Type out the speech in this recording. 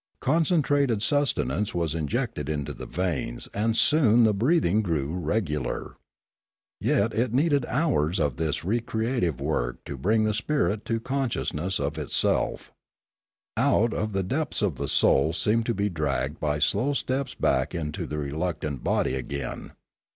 Concentrated sustenance was injected into the veins and soon the breathing grew regular. Yet it needed hours of this recreative work to bring the spirit to conscious ness of itself. Out of the depths the soul seemed to be dragged by slow steps back into the reluctant body again.